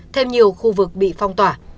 thêm nhiều khu vực bị phong tỏa